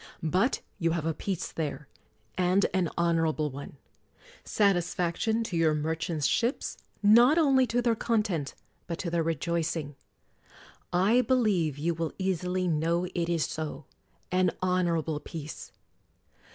But you have a peace there, and an honorable one. Satisfaction to your merchants ' ships ; not only to their con tent, but to their rejoicing. I believe you will easily know it is so, — an honorable peace.